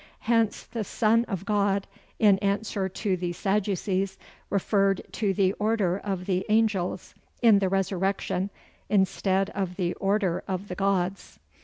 Hence, the Son of God, in answer to the Sadducees, referred to the order of the angels, in the resurrection, instead of the order of the gods.